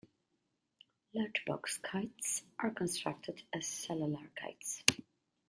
Large box kites are constructed as cellular kites.